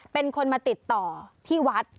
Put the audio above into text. เป็นคนมาติดต่อที่วัด